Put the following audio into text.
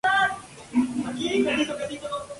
Actualmente firman para el sello Candlelight Records.